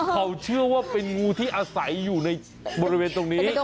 เขาเชื่อว่าเป็นงูที่อาศัยอยู่ในบริเวณตรงนี้